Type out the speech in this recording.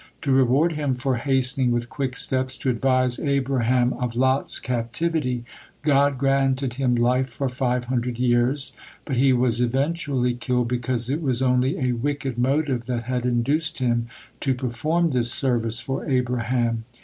To reward him for hastening with quick steps to advise Abraham of Lot's captivity, God granted him life for five hundred years, but he was eventually killed because it was only a wicked motive that had induced him to perform this service for Abraham.